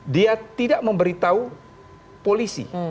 dia tidak memberitahu polisi